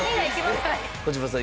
児嶋さん